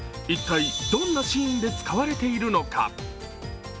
一体どんなシーンで使われているのか？